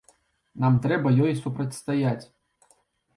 Нам трэба ёй супрацьстаяць.